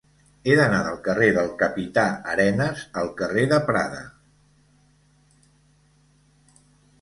He d'anar del carrer del Capità Arenas al carrer de Prada.